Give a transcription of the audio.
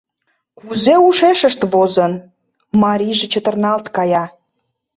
— Кузе ушешышт возын? — марийже чытырналт кая.